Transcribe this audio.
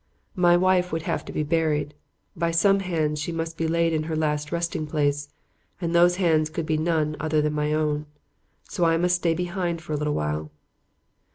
My wife would have to be buried. By some hands she must be laid in her last resting place, and those hands could be none other than my own. So I must stay behind for a little while.